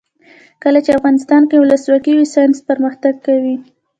کله چې افغانستان کې ولسواکي وي ساینس پرمختګ کوي.